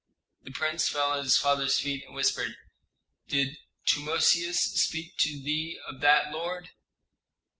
The prince fell at his father's feet, and whispered, "Did Tutmosis speak to thee of that, lord?"